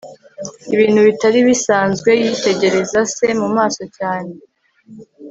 ibintu bitari bisanzwe, yitegereza se mumaso cyane